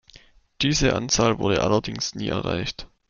Diese Anzahl wurde allerdings nie erreicht.